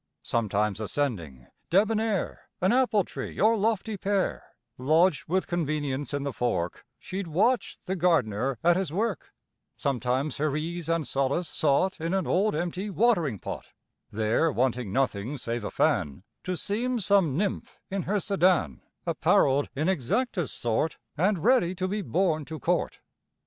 Sometimes ascending, debonnair, An apple tree, or lofty pear, Lodged with convenience in the fork, She watch'd the gardener at his work; Sometimes her ease and solace sought In an old empty watering pot: There, wanting nothing save a fan, To seem some nymph in her sedan Apparell'd in exactest sort, And ready to be borne to court.